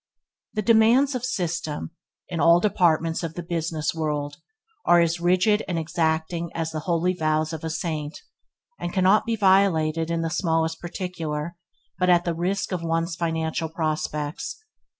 The demands of system, in all departments of the business world, are as rigid and exacting as the holy vows of a saint, and cannot be violated in the smallest particular but at the risk of one's financial prospects.